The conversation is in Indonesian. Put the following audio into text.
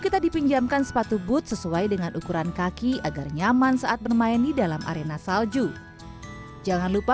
tersebut sesuai dengan ukuran kaki agar nyaman saat bermain di dalam arena salju jangan lupa